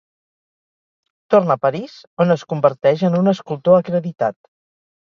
Torna a París, on es converteix en un escultor acreditat.